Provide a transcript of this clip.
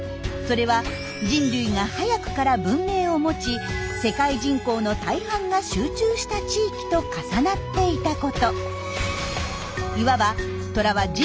それは人類が早くから文明を持ち世界人口の大半が集中した地域と重なっていたこと。